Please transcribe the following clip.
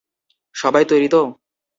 সবাই তৈরী তো?